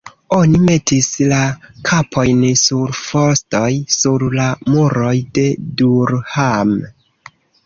Oni metis la kapojn sur fostoj sur la muroj de Durham.